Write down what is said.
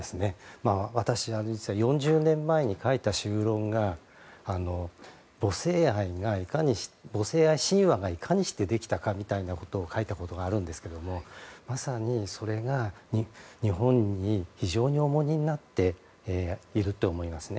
私が４０年前に書いた修論が母性愛神話がいかにしてできたかみたいに書いたことがあるんですけどまさにそれが、日本に非常に重荷になっていると思いますね。